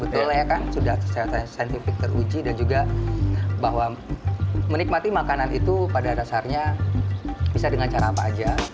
betul ya kan sudah kesehatan saintifik teruji dan juga bahwa menikmati makanan itu pada dasarnya bisa dengan cara apa aja